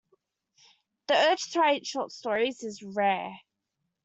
The urge to write short stories is rare.